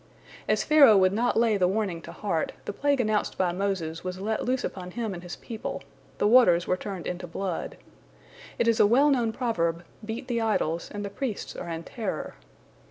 As Pharaoh would not lay the warning to heart, the plague announced by Moses was let loose upon him and his people—the waters were turned into blood. It is a well known proverb, "Beat the idols, and the priests are in terror."